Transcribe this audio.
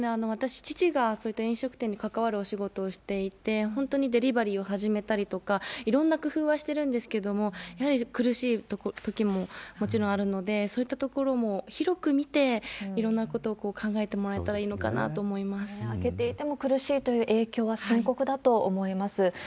私、父がそういった飲食店に関わるお仕事をしていて、本当にデリバリーを始めたりとか、いろんな工夫はしてるんですけれども、やはり苦しいときももちろんあるので、そういったところも広く見て、いろんなことを考えてもらえたらいいのかなと開けていても苦しいという影響は深刻だと思います。